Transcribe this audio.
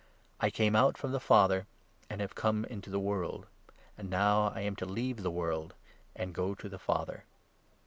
I came out from the Father, and 28 have come into the world ; and now I am to leave the world, and go to the Father."